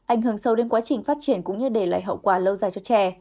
ảnh hưởng sâu đến quá trình phát triển cũng như để lại hậu quả lâu dài cho chè